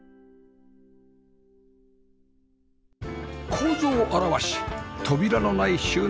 構造現し扉のない収納